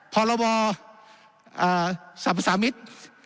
พรบสรรพสามิตร